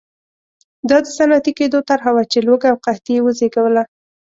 دا د صنعتي کېدو طرحه وه چې لوږه او قحطي یې وزېږوله.